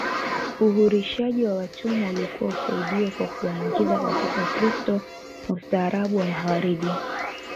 Uhurishaji wa watumwa ulikuwa usaidiwe kwa kuwaingiza katika Ukristo na ustaarabu wa Magharibi